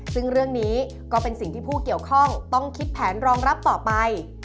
ซึ่งเรื่องนี้ก็เป็นสิ่งที่ผู้เกี่ยวข้องต้องคิดแผนรองรับต่อไป